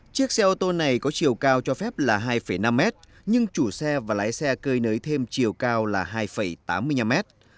chiếc xe ô tô này có chiều cao cho phép là hai năm mét nhưng chủ xe và lái xe cơi nới thêm chiều cao là hai tám mươi năm mét